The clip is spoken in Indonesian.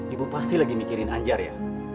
ibu pasti lagi mikirin anjar ya